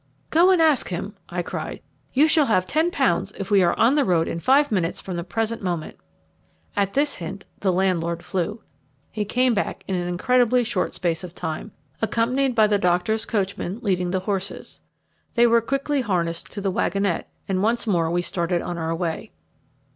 "Go and ask him," I cried. "You shall have ten pounds if we are on the road in five minutes from the present moment." At this hint the landlord flew. He came back in an incredibly short space of time, accompanied by the doctor's coachman leading the horses. They were quickly harnessed to the wagonette, and once more we started on our way.